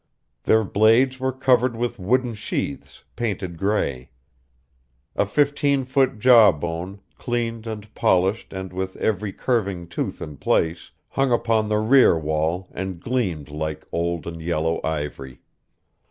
Their blades were covered with wooden sheaths, painted gray. A fifteen foot jawbone, cleaned and polished and with every curving tooth in place, hung upon the rear wall and gleamed like old and yellow ivory.